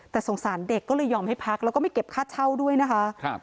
แต่สงสารเด็กก็เลยยอมให้พักแล้วก็ไม่เก็บค่าเช่าด้วยนะคะ